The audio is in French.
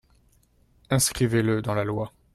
Inscrivez-le dans la loi